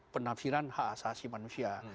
penafsiran hak asasi manusia